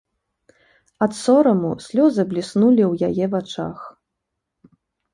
Ад сораму слёзы бліснулі ў яе вачах.